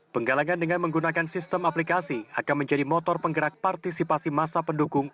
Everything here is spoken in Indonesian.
penggalangan dengan menggunakan sistem aplikasi akan menjadi motor penggerak partisipasi masa pendukung